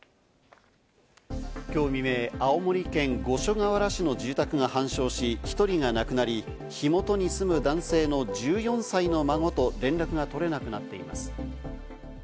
今日未明、青森県五所川原市の住宅が半焼し、１人が亡くなり、火元に住む男性の１４歳の孫と連絡が取れなくなっています。